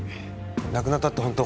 亡くなったって本当？